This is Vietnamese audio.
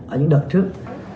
ở những đợt trước